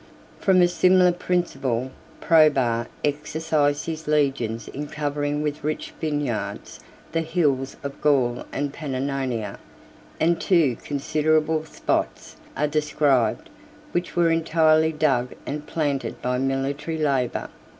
58 From a similar principle, Probus exercised his legions in covering with rich vineyards the hills of Gaul and Pannonia, and two considerable spots are described, which were entirely dug and planted by military labor.